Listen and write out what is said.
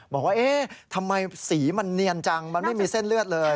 บอกว่าเอ๊ะทำไมสีมันเนียนจังมันไม่มีเส้นเลือดเลย